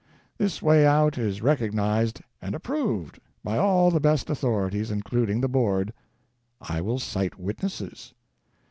This way out is recognized and approved by all the best authorities, including the Board. I will cite witnesses.